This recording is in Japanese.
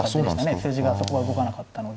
数字がそこは動かなかったので。